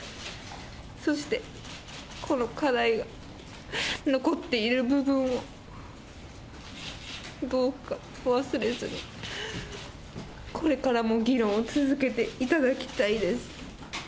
そしてこの課題が、残っている部分を、どうか忘れずに、これからも議論を続けていただきたいです。